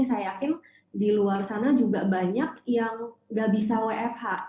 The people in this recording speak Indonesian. saya yakin di luar sana juga banyak yang gak bisa wfh